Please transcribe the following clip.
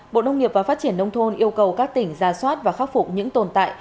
bộ nông nghiệp và phát triển nông thôn yêu cầu các tỉnh ra soát và khắc phục những tồn tại